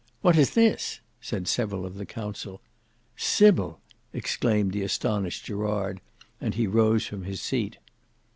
"What is this?" said several of the council. "Sybil!" exclaimed the astonished Gerard, and he rose from his seat.